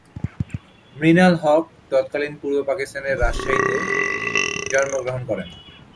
মৃণাল হক তৎকালীন পূর্ব পাকিস্তানের রাজশাহীতে জন্ম গ্রহণ করেন।